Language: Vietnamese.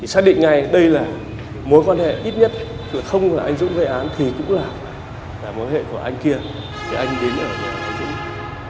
xác định ngay đây là mối quan hệ ít nhất không là anh dũng gây án thì cũng là mối quan hệ của anh kia để anh đến ở nhà anh dũng